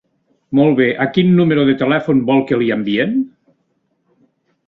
Molt bé, a quin número de telèfon vol que li enviem?